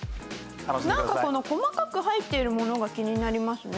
なんかこの細かく入っているものが気になりますね。